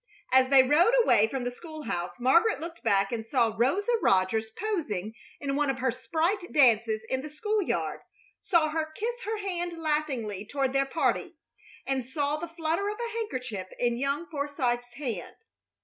As they rode away from the school house Margaret looked back and saw Rosa Rogers posing in one of her sprite dances in the school yard, saw her kiss her hand laughingly toward their party, and saw the flutter of a handkerchief in young Forsythe's hand.